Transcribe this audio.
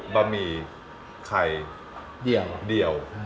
บะหมี่ไข่เดียว